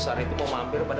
supaya aku nggak melihatnya